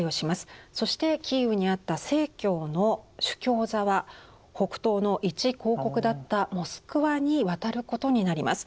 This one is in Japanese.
そしてキーウにあった正教の主教座は北東の一公国だったモスクワに渡ることになります。